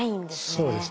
そうですね。